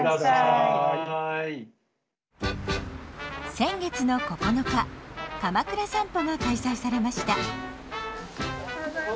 先月の９日かまくら散歩が開催されました。